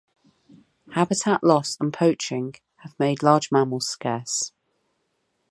Habitat loss and poaching have made large mammals scarce.